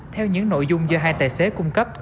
theo những nội dung do hai tài xế cung cấp